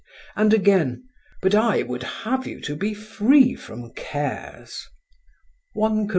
And again: "But I would have you to be free from cares" (I Cor.